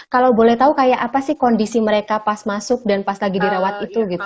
kalau boleh tahu kayak apa sih kondisi mereka pas masuk dan pas lagi dirawat itu gitu